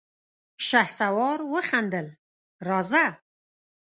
شهسوار وخندل: راځه!